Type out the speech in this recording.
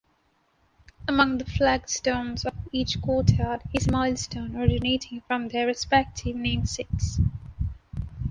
Among the flagstones of each courtyard is a millstone originating from their respective namesakes.